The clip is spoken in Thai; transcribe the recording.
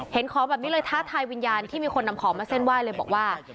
ของแบบนี้เลยท้าทายวิญญาณที่มีคนนำของมาเส้นไหว้เลยบอกว่า